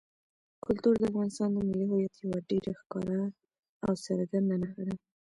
کلتور د افغانستان د ملي هویت یوه ډېره ښکاره او څرګنده نښه ده.